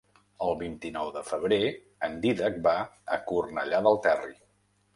El vint-i-nou de febrer en Dídac va a Cornellà del Terri.